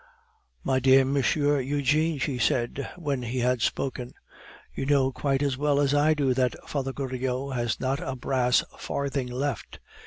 "My dear Monsieur Eugene," she said, when he had spoken, "you know quite as well as I do that Father Goriot has not a brass farthing left.